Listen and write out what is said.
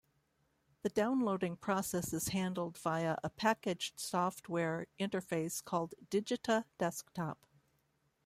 The downloading process is handled via a packaged software interface called 'Digita Desktop'.